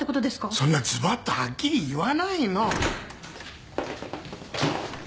そんなズバッとはっきり言わないの。